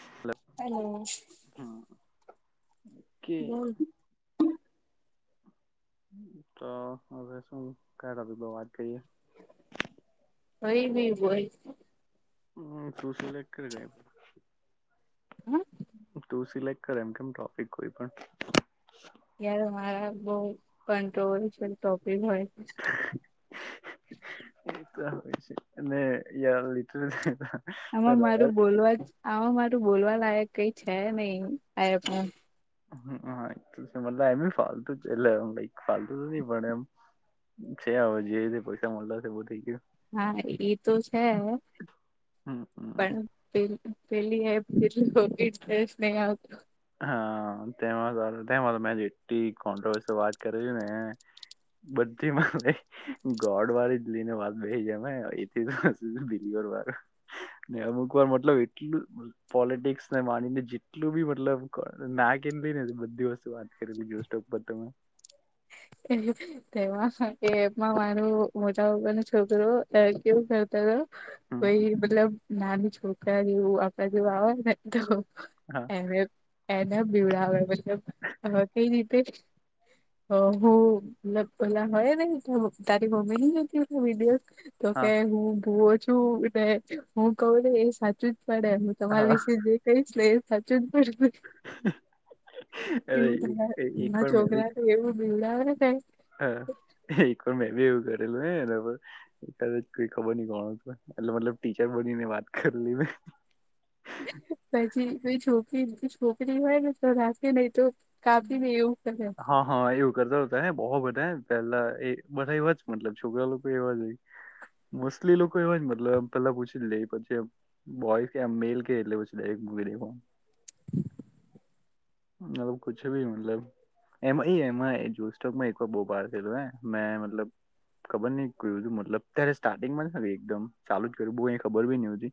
હ હેલો હમ કે [unintelligible] તો હવે શું ક વાત કરીઈએ કઈ ભી બોલ હમ્મ [unintelligible] હા સિલેક્ટ કરે એમ કેમ ટોપિક કોઈ પણ રા બહ ક્રોવર્શયલ ટોપિક હોય છે [inaudible] એ હોય છે અને [unintelligible] આમાં મારું બોલવા જ આમાં મારું બોલવા લાયક કઈ છે નહી આ પણ હ હા મતલબ એમ ફતુ છેક ફતુ તો નથી પણ એમ છે હવે જે રીતે પૈસા મળલા છે એ બુ થઇ ગયું હા એ તો છે હમ હમ પણ પેું [unintelligible] આવું હા તેમાં આજે એટલી કંટ્રોવેરસલ વાત કરી છે ને બધી [unintelligible] ગોડ વાળી લને વાત બેહી જ એથી બી ને અમુક વાર મતલબ એટલું પોલિટિક્સને માનીને જેટલું બી મતલબ ના કે લઈ ને બધી વસ્તુ વાત કરી સોક પર તમે તેમાં એમાં મારું મોટાપાપા નો છોકરો [unintelligible] કરતો તો હમ કોઈ મતલબ નાની છોકરા જેવું આપણા જેવુંય ને તો હા એને એના બીવડાવે મતલબ કઈ રીતે હ હો ઓલા હય નહી તારી મમ્મી ન હતી કે વિડયો તો હા કે હું ભુવો છું ને હું કઉું ને એ સાચું જ પડે હું તમારી હા વિશે જે કઈશ એ સાચું જ પડે અરે એક [unintelligible] વાર મેં છોકરા બી ને તો એવું બિડાવે ને [unintelligible] હા એક વાર મેં બી એવું કર્યું [unintelligible] ખબર ન કોણ હતું એટલે મતલબ ટીચર બનીને વાત કરી લ મે [inaudible] પછી કોઈ છોકરી છોકરી હોય ને રા કે નહી તો કાપીને એવું કરે. હા હા એવું કરતા હોતા હે બહ બ હ પેલા એ બધા એવા જ મતલબ છોકરા લોકો એવા જ હોય મોસ્ટલી લોકો એવા જ મતલબ પેલા પૂછી લે પછી બોય કેમ મેલ કે એટલે પૂછી લે વિડિયો કોન મતલબ કુછ ભી મતલબ એમાં એમાં [unintelligible] એક વાર બહુ પાર થયેલું હ મે મતલબ ખબર નહ કોઈ બધું મતલબ અત્યારે સ્ટાર્ટિંગમાં એકદમ ચાલુ જ કર્યું બહુ ખબર બી ની હુતી.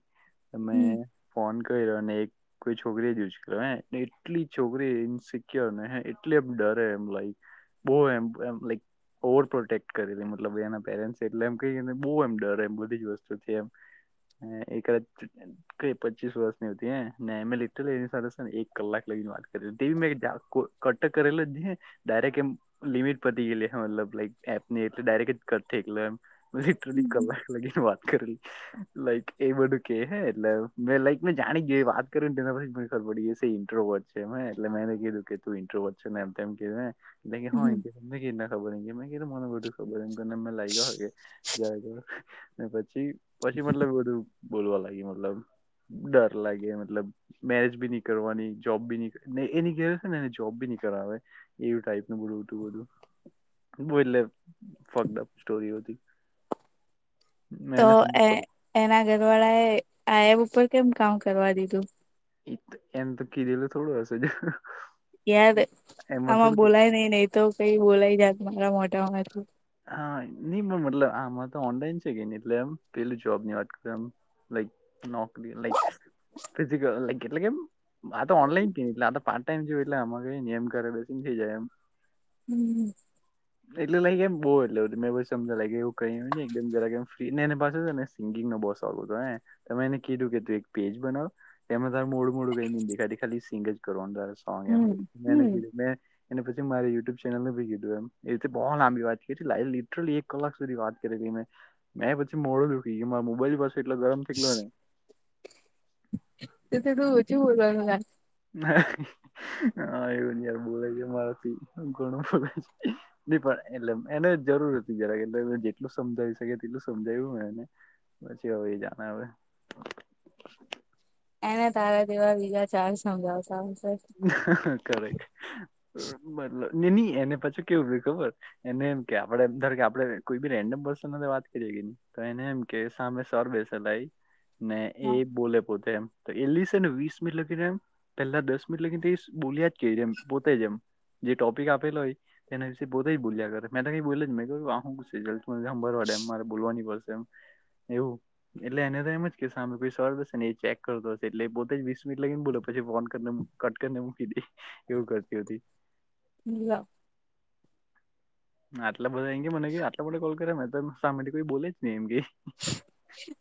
તમે હમ ફોન કર્યો અને કોઈ છોકરી જ ઉંચકેલો ને એટલી છોકરી ઇન્સિક્યોર ને એટલી આમ ડરે લાઈક બો એમ લાઈક ઓવર પ્રોટેક્ટ કરેલી મતલબ એના પેરેન્ટ એટલે એમ કહીને બહુ એમ ડર એમ બધી જ વસ્તુથી એમ એકાદા કઈ પચીસ વર્ષનીતી હ મેં લીધ એની સાથેને એક કલાક લગી વાત [unintelligible] મે કરેલો ડાયરેક્ટ લિમિટ પતી ગ હે મતલબ લાઈક એપ એટલે ડાયરેક્ટટ થલે એમ પછીટ કલાક લાગીને વાત કરે લાઈક એ બધું કે હે એટલે મેં લાઈક મેં જાણી ગય વાત કર્યું ને તેના પછી મને ખબર પડી જ ઈન્ટ્રોવેર્ટ છે હે એટલે મે એને કીધું કે તું ઈન્ટ્રોવેર્ટ છે મે એમ તેમ કીધું હે હા તમને હમ કેવી રીતના ખબર કે મને બધું ખબર એમનેમે લાગ્યા કે જ ને પછી પછી મતલબ બધું બોલવા લાગે મતલબ ડર લાગે મતલબ મેરેજ બી નહી કરવાની જોબ બી ન એની કે ને એને જોબ બી નહી કરાવે એવું ટાઈપ ન બધું હતું બધું બો એટલે [unintelligible] સ્ટોરીઓથી તો એ એના ઘરવાળા એ આ એપ ઉપર કેમ કામ કરવા દીધું એતો એમ તો કીધેલ થોડું હશે જ યાર એમાં આમાં થોડું બોલાય નઈ નઈ તો કંઈ બોલાય જાત મારા મોઢામાંથી હા ની પણ મતલબ આમાં તો ઓનલાઈન છે કે ની એટલે એમ પેલું જોબની વાત કરુ નોકરી લાઈક્સ ફિઝિકલ લાઈ એટલે કેમ આ તો ઓનલાઈન કે ની એટલે આ તો પાર્ટ ટાઈમ જેવુ એટલે આમાં કંઈ જેમ કરે બેસીને થઈ જાય એમ હમ્મ, હમ્મ. એટલે લાઈક એમ બો એટલે [unintelligible] લાઈક એવુ કંઈ ની [unintelligible] એમ જરાક એમ ફ્રી ને એને પાસે ને સિંગિંગ નો બો શોખ ઉતો હે તો મેં એને કીધું કે તું એક પેજ બનાવ તેમાં તારે મોડું મોડું [unintelligible] ખાલી સિંગ જ કરવાનું તારે [unintelligible] હમ હમ મે એનેપછી મારી યુટ્યુબ ચેનલનું ભી કીધું એમ એ રીતે બો લાંબી વાત એ રીતે લા લિટરલી એક કલાક સુધી વાત કરેલી મે મેં પછી મોડુ દુઃખી ગ્યુ માર મોબાઈલ પછ એટલો ગરમ થગ્લો ને તથી તુ ઓછે ભૂલણ ના હા એવું જ યાર બોલાઈ ગ્યુ મારાથી ઘણું બોલાઈ જ ની પણ [unintelligible] એટલે એને જરૂર હતી જરા કે એટલે જેટલું સમજાવી શકે તેટલું સમજાવ્યું મે એને પછી હવે એ જાને હવે એને તારા જેવા બીજા ચાર સમજાવશે હ કરેક મતલબ ની ની એને પછી કેવું થયું ખબર એને એમ કે આપદે ધારેકે આપણે કોઈ બી રેન્ડમ પર્સન હાતે વાત કરીએ તો એને એમ કે સામે સર બેસેલા હોઈ ને એ બોલે પોતે એમ તો એ લસે ને વીસ મિનિટ લગી એમ પેલા દસ મીન્સ કે એ બોલ્યા જ કરયુ એમ પોતેજ એમ જે ટોપિક આપેલો હોય તેના વિશે પોતે જ બોલ્યા કરે મેં તો કઈ બોલુ જ ની મે કીધું આ હુ [unintelligible] મારે બોલવાની પડશે એમ એવું એટલે એને તો એમ જ કે સામે કોઈ સવાલ પૂછેસે ને એ ચેક કરતો હશે એટલે પોતે જ વીસ મિટ લાગીને બોલો પછી ફોન કરી ને કટ કરી ને મૂકી દી એવું કરતી હતી [inaudible] આટલા બધા એ મને આટલા માટે કોલ કર્યાને તો શામે થી કોઈ બોલે જ નને એમ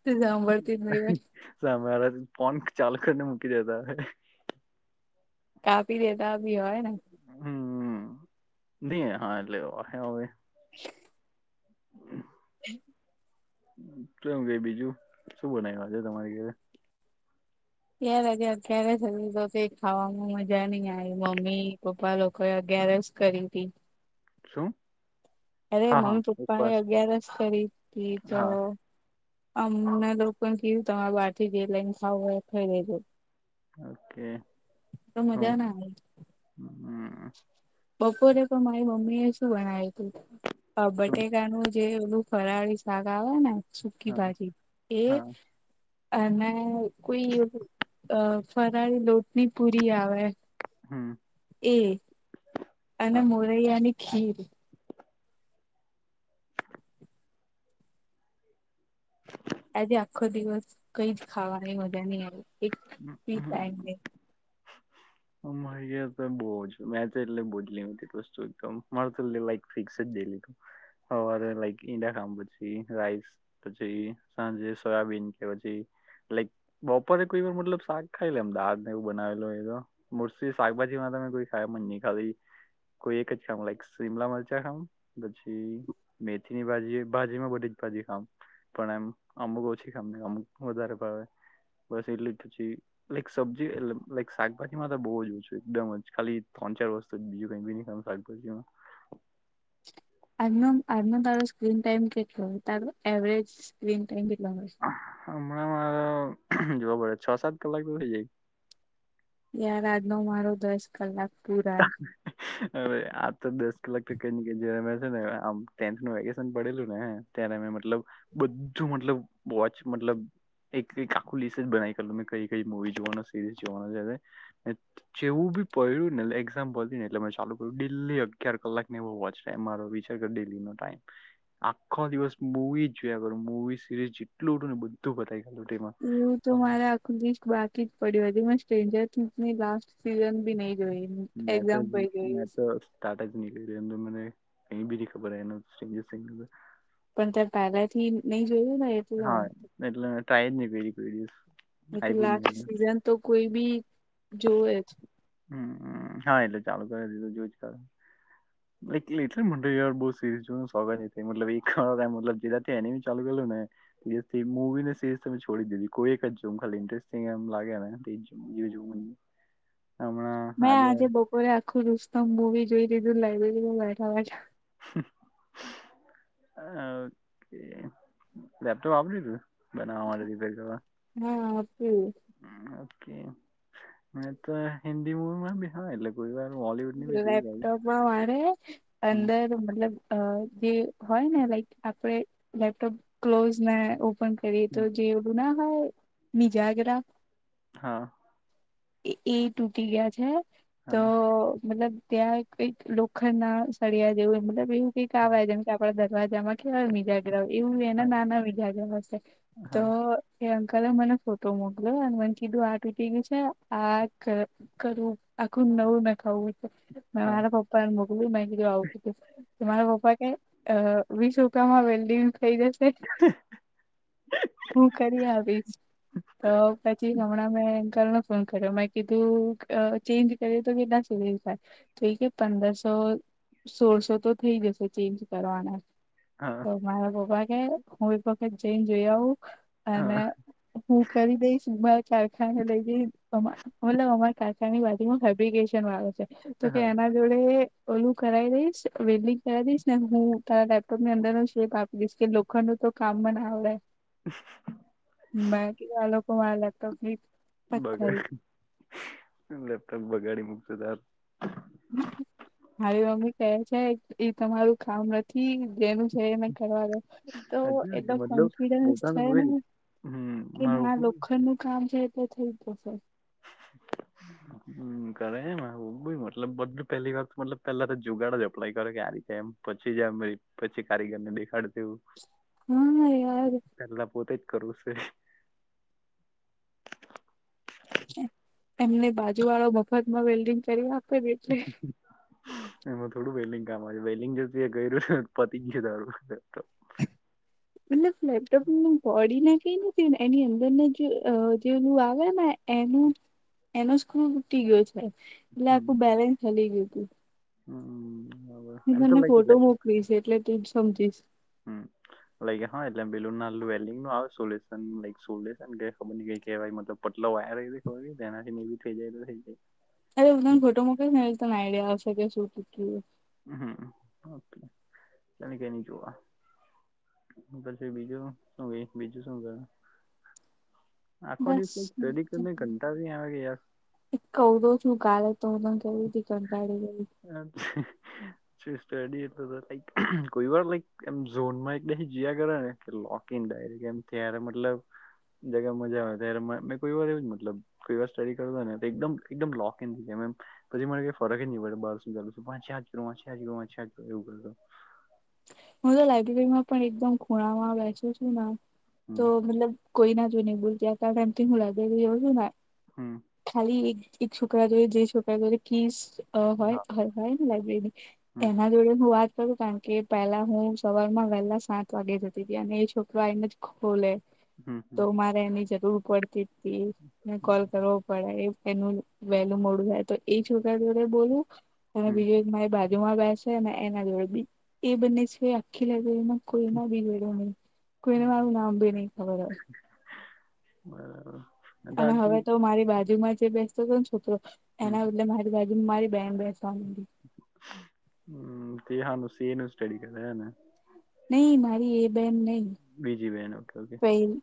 તું સાંભળતી જ નહી હોય સામે વાળા ફોન ચાલુ કરીને મૂકી દેતા હશે કાપી દેતા બી હોય ને હમ ની હા એટલે હોવે હવે [inaudible] [inaudible] તું એમ કે બીજું શું બનાવ્યુ આજે તમારી ઘરે યાર અત્યારે જ તો કે ખાવાવામાં મજા નઈ આવે મમ્મી પપ્પા લોકો અગયારસ કરી હતી શું અરે હા હા મમ્મી પપ્પા એ ઉપવાસ અગિયારસ કરી હતી તો હા અમમે લોકોને કીધું તમારે બહાર થી જે લાઈને ખાવ હોય એ ખાઈ લેજો ઓકે તો હું મજા ના આવે હમ બપોરે પણ મારી મમ્મી એ શું બણાવ્યું હતું શું બટેકાનું જ જે ઓલું ફરાળી શાક આવે ને સુકી હા ભાજી એ હા અને કોઈ ફરળી લોટની પૂરી આવે હમ એ અને હા મોરયા ની ખીર આજે આખો દિવસ કઈ જ ખાવાની મજા નઈ આવી એક પીસ [unintelligible] હ મારી તો બહુ મેં તો એટલે બોલી વસ્તુ એકદમ મારે તોક ફિક્સે જ હવારે લાઈક ઈડા ખામ પછી રાઈસ પછી સાંજે સોયાબીન કે પછી લાઈક બપોરે કોઈ વાર મતલબ શાક ખાઈ લેમ દાળ ને એવું બનાવેલો હોય તો મુરસી શાકભાજી માં તમે કોઈ ખામ જ ની ખાધ. કોઈ એક જ ખામ લાઈક શીમલા મરચા ખામ પછી મેથીની ભાજીમાં બધી પછી ખામ પણ એમ અમુક ઓછી ખામ નહી અમુક વધારે ભાવે. બસ એટલે જ પછી લાઈક સબ્જી એટલ લઈક શાકભાજીમાં તો બહુ જ ઓછું એકદમ જ ખાલી ત્રન ચા વસ્તુ બીજું કઈ બી ની ખામ શાકભાજીમાં. આજનો આજનો તારો સ્ક્રીન ટાઈમ કેટલોય તારો એવરેજ સ્ક્રીન ટાઈમ નમસ. [unintelligible] જોવ છ સાત કલાક તો થઈ જાય. યાર આજનો મારો દસ કલાક પૂરા. હવે આ તો દસ કલાક કે કે જયારે મે છે ને આમ ટેન્થ નું વેકેશન પડેલું ને ત્યારે મે મતલબ બધું મતલબ વોચ મતલબ એક વીક આખું લિસ્ટ જ બનાવી કર લુ મે કઈ કઈ મુવી જોવા, સિરીઝ જોવાનું જેવું પૈડું ને લાઇ એક્ઝામ પતિ ને એટલે ચાલુ કર ડેલી અગીયાર કલાક ને વોચ ટાઈમ મારો વિચાર કર ડેલી નો ટાઈમ. આખો દિવસ મુવી જ જોયા કરું મૂવી સિરીઝ જેટલું ઉઠું ને બધું બતાય ગ એવું તો મારા આખું લિસ્ટ બાક પડ્યું હતું, સ્ટ્રેન્જરની લાસ્ટ સીઝન બી નઈ મેં તો જ મેં તો સ્ટા્ટ જ નહી કરી એ તો મને અહી બી ની ખબર એનું સિંગુ સિંગ તો પણ તે પહેલાથી નહી જોયું ને એટલે. ટાયમ ની [inaudible] એ તો લાસ્ટ સિઝન તો કોઈ બી જોવે જ. હમ્મ, હા એટલે ચાલુ કરી દીધું જો જ કર. એટલે [inaudible] બવ સીરીઝ [unintelligible] એક મતલબ જુદા એમી ચાલુ ગેલું ને મુવી ને સીરીઝ તમે છોડી દીધી કોઈ એક જ જોમ ખાલી ઇન્ટરેસ્ટિંગ એમ લાગેને તે જ જોમ. [unintelligible] મેં આજે બપોરે આખું રુસ્તમ મુવી જોઈ લીધું લાઈબ્રેરી માં બેઠા બેઠા. ઓકે લેપટોપ આપી દીધું? બનાવા રિપેર કરવા હા હતું [unintelligible] કે મે તો હિન્દી મુમાં બીહાર એલે કોઈ વાર બોલીવુડની બી જોઈ કાઢું લેપટોપમાં મારે અંદર મતલબ અ જે હોય ને લાઈક આપડ લેપટોપ ક્લોઝ ને ઉપ પણ કરીએ તો હમ જે એલું ના હોય બીજાગરા. હા. એ-એ તૂટી ગયા છે, તો હા મતલબ ત્યાં કંઈક લોખંડ ના સળિયા જેવું મતલબ એવું હા [unintelligible] જેમ કે આપડા દરવાજામાં [unintelligible] એવું એના હા નાના [unintelligible] હશે તો તો હા એ અંકલે મને ફોટો મોકલ્યો અને ભન કીધું આ તૂટી ગયું છે. આ કર કરવું આખું નવું નખાવું મે હા મારા પપ્પા ને મોકલ્યું મે કીધું આવું કીધું. તો મારા પપ્પા કેય અહ વીસ રૂપિયામાં વેલ્ડિંગ થઇ જશે. હું કરી આવીશ, તો પછી હમણાં મેં [unintelligible] ફોન કર્યો મે કીધું આહ ચેન્જ કરીએ તો કેટલા સુધી તો ઈ કે પંદરસો, સોળસો તો થઈ જશે ચેન્જ કરવાના. હા તો મારા પપ્પા કે હું એક વખત જઈન જોઈ આવું. હા અને હું કરી દઈશ [unintelligible] કારખાને લઈ જઈ મતલબ અમારા કારખાના ની બાજુ માં ફેબ્રિકેશન વાળો છે તો હા કે એના જોડે ઓલું કરાવી દઈશ વેલ્ડિંગ કરાવ દઈશ ને હું તારા લેપટોપ ની અંદર નો શેપ આપી દઈશ કે લોખંડો તો કામ માં ના આવે મે કીધૂ આ લોકો મારા લેપટૉપ ની બગાડી લેપટોપ બગાડી મૂકશો તાર મારી મમ્મી કહે છેએ તમારું કામ નથી જેનું છે કરવા દ તો હાચી વાત એલો મતલબ કોન્ફિડન્સ પોતાનું છેને મગજ હમ કે મારું ના લોખંડ નું કામ છે એટલે થઈ જશે [unintelligible] હમ કરે એમ આવું બ મતલબ બધું પહેલી વાર મતલબ પેલા તો જુગાડાો જઝપડા કરે કે આારી એમ પછી પછી જાયરી પછી કારીગર ને દેખાડ તેવું હા યાર કરું છે એમને બાજુ વાળો મફત માં વેલ્ડિંગ કરી આપે ને એટલે એમાં થોડું વેલ્ડિગ માં વેલિંગ જત ગયું છે પતી ગય તારું બટલે ફેપટપને બડીને એ નથી એની અંદર ને જે જેલું આવે ને એનું એનો સ્ક્રુ ઢીલો છે એટલે હમ આખું બેલેન્સ હલી ગયું તું હમ બરાબર. મે એમ તો તમને લાઈક ફોટો મોકલી છે એટલે તું જ સમજીશ હમ લાગ્યા હ એટલે બલુન ના લું એ સોલ્યુન અ સોલેસન ખબર નય શું કેવાય મતલબ પટલો વાયર ખબર તેનાથી થઈ જાય તો થઈ જાય અરે હું તને ફોટો મોકલીશને એ તને આઈડિયા આવશે કે શું કેટું ઓ તને કઈ નઈ જોવા પછી બીજું શું ક બીજું શું કરું બસ આવે કે યાર એક કૌ દો છું ક તો હું તને ફરીથી કરું હચછ સ્ટડી એટ લક કોઈ વાર લક એમ ઝોન માં એકલે જયા કરે ને લોક ને મ ત્યારે મતલબ જગ્યા મજા આવે ત્યારે મેં કોઈ વાર એવ મતલબ કોઈર સ્ટડી કર હો નેક પછી મનેઈ ફરક ની પડ [inaudible] એવું કર હું તો લાયબ્રેરીમાં પણ એકદમ ખૂણામાં બેસું છું ને તો હમ મતલબ કોઈ ના જોઈ ને બૂલ બે ત્રણ દિવસ થી હું લાયબ્રેરી જઉ છું ને હમ ખાલી એક છોકરા જોરી જે છોકરા જોડ કીસ અ હોય હા હોય લાયબ્રેરી હમ એના જોડે હું વાત કરું કારણ કે પેલા હું સવાર માં વહેલા સાત વાગે જતી હતી અને એ છોકરા આઈને જ ખોલે હમ તો હમ મારે એની જરૂર પડતી મે કોલ કરવો પડે એનું વેલુ મોડું થાય તો એ છોકરા જોડે બોલું અને હમ બીજું એક મારી બાજુ માં બેસે એના જોડેી એ બને છે આખી લાયબ્રેરી માં કોઈના બી જોડે નહી કોઈને મારૂ નામ બી નહી ખબર હો બરાબર અને હવે તો મારી બાજુ માં જે બેસતો હતો ને છોકરો હમ એના બદલે મારી બાજુ બ મારી બેન બે હમ તે સું સ એ ન સ્ટડી કર એ નહી મારી એ બેન નહી બીજી બેહેન ઓકે ઓકે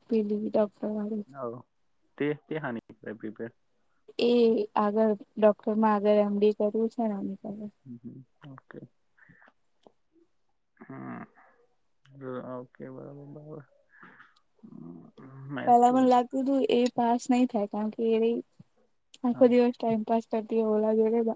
[unintelligible] [unintelligible] એ આગળ ડોક્ટરમાં આગળ એમ ડી કરવું છે ને. [inaudible] હમ્મ. ઓકે, બરાબર-બરાબર. હમ્મ. પહેલા મને લાગતું તું એ પાસ નહીં થાય કારણ કે એ હા આખો દિવસ ટાઈમ પાસ કરતી [unintelligible]